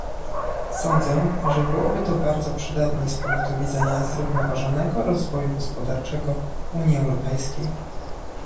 Sądzę, że byłoby to bardzo przydatne z punktu widzenia zrównoważonego rozwoju gospodarczego Unii Europejskiej